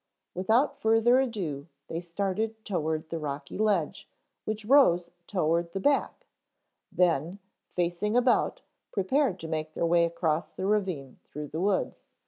Without further ado they started toward the rocky ledge which rose toward the back, then, facing about prepared to make their way across the ravine through the woods.